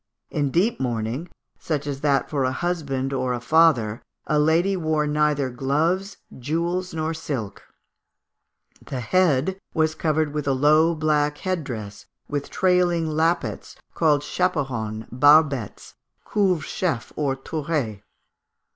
In deep mourning, such as that for a husband or a father, a lady wore neither gloves, jewels, nor silk. The head was covered with a low black head dress, with trailing lappets, called chaperons, barbettes, couvre chefs, and tourets.